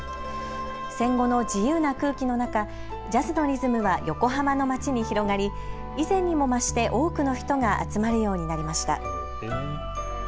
戦後の自由な空気の中、ジャズのリズムは横浜の街に広がり以前にも増して多くの人が集まるようになりました。